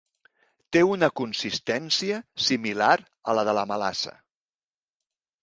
Té una consistència similar a la de la melassa.